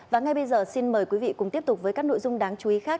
và ngay bây giờ xin mời quý vị cùng tiếp tục với các nội dung đáng chú ý khác